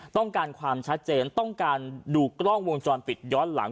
ต้องการความชัดเจนต้องการดูกล้องวงจรปิดย้อนหลัง